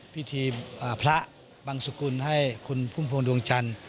พิธีพระบังสุกุลให้คุณพุ่มพวงดวงจันทร์